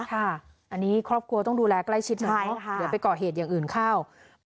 อันนี้ครอบครัวต้องดูแลใกล้ชิดหน่อยเนอะเดี๋ยวไปก่อเหตุอย่างอื่นเข้า